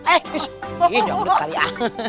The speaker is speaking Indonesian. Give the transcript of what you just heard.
eh ih dong duduk kali ya